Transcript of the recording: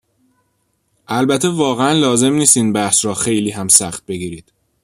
البته واقعا لازم نیست این بحث را خیلی هم سخت بگیرید.